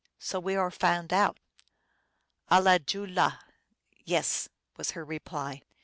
" So we are found out !"" Alajulaa" " Yes," was her reply.